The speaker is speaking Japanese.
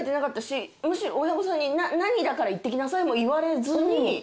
むしろ親御さんに何だから行ってきなさいも言われずに。